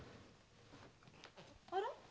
あら？